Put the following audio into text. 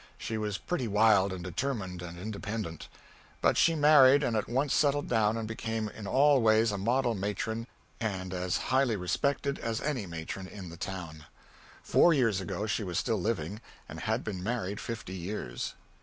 She was pretty wild and determined and independent. But she married, and at once settled down and became in all ways a model matron and was as highly respected as any matron in the town. Four years ago she was still living, and had been married fifty years.